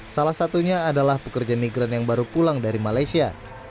salah satunya adalah pekerja migran yang baru pulang dari malaysia